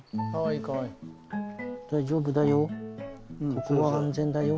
ここは安全だよ。